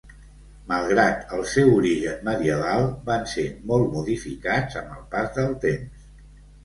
Malgrat el seu origen medieval, van ser molt modificats amb el pas del temps.